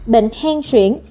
bệnh hèn xuyển